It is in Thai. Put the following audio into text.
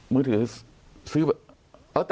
มือถือซื้อ